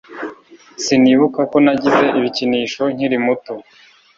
Sinibuka ko nagize ibikinisho nkiri muto